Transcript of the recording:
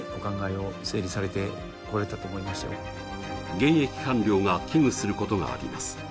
現役官僚が危惧することがあります。